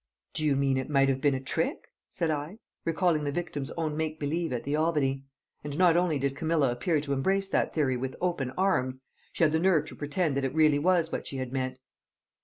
"Do you mean it might have been a trick?" said I, recalling the victim's own make believe at the Albany. And not only did Camilla appear to embrace that theory with open arms; she had the nerve to pretend that it really was what she had meant.